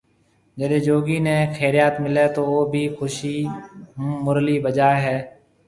جڏي جوگي ني خيريئات ملي تو او بِي خوشي مرلي بجائي ھيَََ